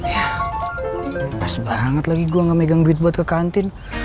ya pas banget lagi gue gak megang duit buat ke kantin